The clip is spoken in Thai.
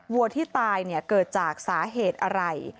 วัวที่ตายเกิดจากสาเหตุอะไร